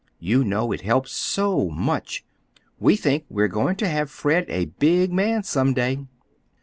You know it helps so much! We think we're going to have Fred a big man some day."